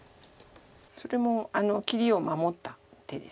それも切りを守った手です。